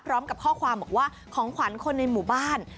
พร้อมกับข้อความบอกว่าของขวัญคนในหมู่บ้าน